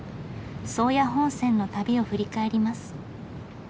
宗谷本線の旅を振り返ります。